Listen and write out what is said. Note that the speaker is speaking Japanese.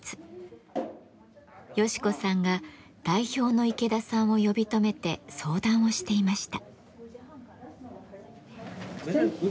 ヨシ子さんが代表の池田さんを呼び止めて相談をしていました。